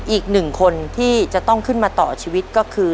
อีกหนึ่งคนที่จะต้องขึ้นมาต่อชีวิตก็คือ